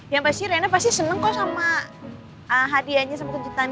yang pasti riana pasti senang kok sama hadiahnya sama kejutan